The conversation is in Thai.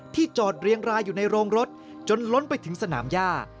จอดเรียงรายอยู่ในโรงรถจนล้นไปถึงสนามย่า